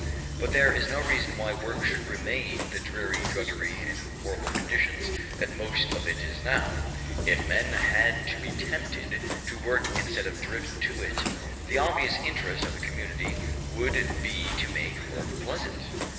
But there is no reason why work should remain the dreary drudgery in horrible conditions that most of it is now. If men had to be tempted to work instead of driven to it, the obvious interest of the community would be to make work pleasant.